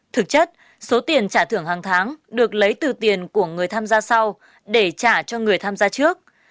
thực chất số tiền trả thưởng hàng tháng được lấy từ tiền của người tham gia sau để trả cho người tham gia trước